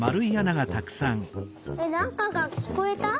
えっなんかがきこえた？